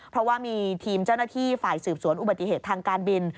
เพราะว่ามีทีมเจ้าหน้าที่ฝ่ายสืบสวนอุบัติเหตุทางการบิน